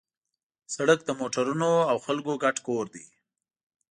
سړک د موټرونو او خلکو ګډ کور دی.